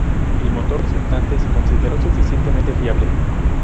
El motor resultante se consideró suficientemente fiable.